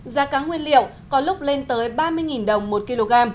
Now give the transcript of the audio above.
giá cá nguyên liệu có lúc lên tới ba mươi đồng một kg